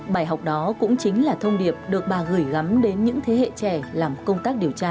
bài học đó cũng chính là thông điệp được bà gửi gắm đến những thế hệ trẻ làm công tác điều tra